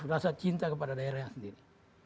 rasa cinta kepada daerahnya sendiri